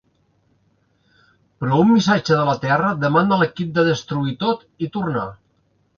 Però un missatge de la Terra demana a l'equip de destruir tot i tornar.